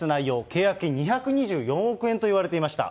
契約金２２４億円といわれていました。